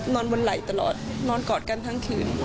นอนบนไหล่ตลอดนอนกอดกันทั้งคืน